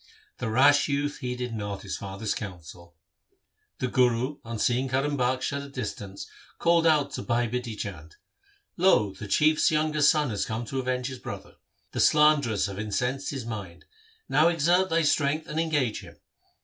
The rash youth heeded not his father's counsel. The Guru on seeing Karim Bakhsh at a distance called out to Bhai Bidhi Chand, ' Lo ! the Chief's young son hath come to avenge his brother. The slanderers have incensed his mind. Now exert thy strength and engage him.